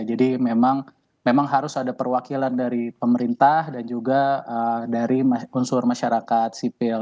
jadi memang harus ada perwakilan dari pemerintah dan juga dari unsur masyarakat sipil